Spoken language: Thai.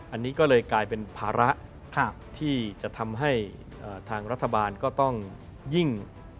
อันนี้ก็เลยกลายเป็นภาระที่จะทำให้ทางรัฐบาลก็ต้องยิ่ง